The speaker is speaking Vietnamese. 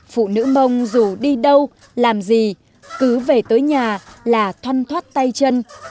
phụ nữ mông dù đi đâu làm gì cứ về tới nhà là thoăn thoát tay chân